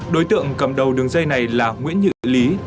đối tượng cầm đầu đường dây này là nguyễn nhự lý